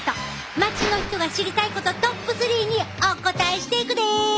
街の人が知りたいことトップスリーにお答えしていくで！